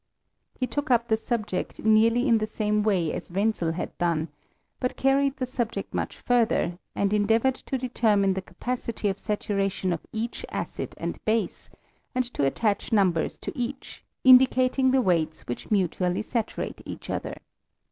He took up the subject nearly in the same way as Wenzel had done, but carried the subject much further ; and endea voured to determine the capacity of saturation of each acid and base, and to attach numbers to each, indicat ing the weights which mutually saturate each other.